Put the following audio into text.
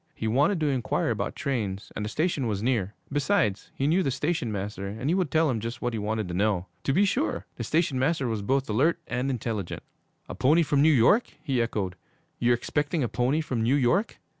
He wanted to inquire about trains and the station was near. Besides, he knew the station master, and he would tell him just what he wanted to know. To be sure! The station master was both alert and intelligent. 'A pony from New York?' he echoed. 'You're expecting a pony from New York?